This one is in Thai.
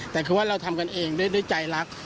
แต่คือว่าเราทำกันเองด้วยใจรัก